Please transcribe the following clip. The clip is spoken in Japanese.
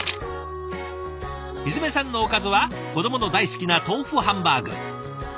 日詰さんのおかずは子どもの大好きな豆腐ハンバーグ。